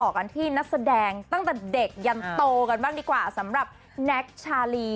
กันที่นักแสดงตั้งแต่เด็กยันโตกันบ้างดีกว่าสำหรับแน็กชาลี